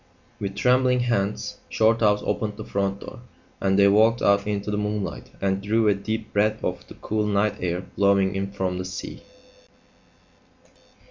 With trembling hands Shorthouse opened the front door, and they walked out into the moonlight and drew a deep breath of the cool night air blowing in from the sea.